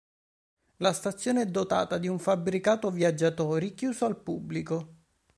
La stazione è dotata di un fabbricato viaggiatori, chiuso al pubblico.